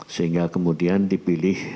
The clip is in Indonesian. sehingga kemudian dipilih